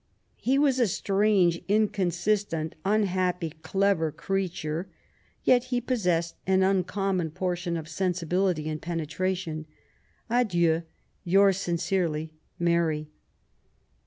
He was a strange, inconsistent, un happy, clever creature, yet he possessed an xmcommon portion of sensibility and penetration. ... Adieu, yours sincerely, Mabt.